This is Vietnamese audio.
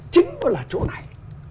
chính nó là chỗ này